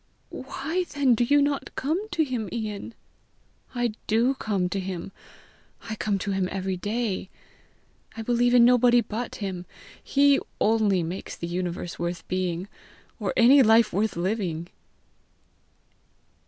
'" "Why then do you not come to him, Ian?" "I do come to him; I come to him every day. I believe in nobody but him. He only makes the universe worth being, or any life worth living!"